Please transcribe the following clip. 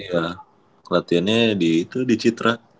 iya latihannya di citra